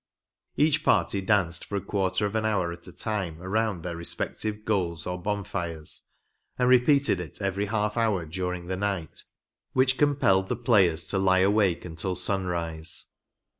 Each party danced for a qnarter of an hour at a time around their respec tive ^oals or bonfires, and repeated it every half hour during the night, which compelled the players to lie awako until sunrise.